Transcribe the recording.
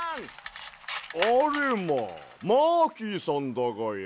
あれまマーキーさんだがや。